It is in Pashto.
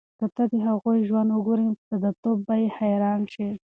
که ته د هغوی ژوند وګورې، نو په ساده توب به یې حیران شې.